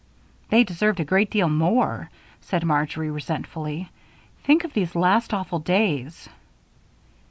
"They deserved a great deal more," said Marjory, resentfully. "Think of these last awful days!"